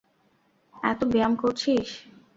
এতো ব্যায়াম করছিস?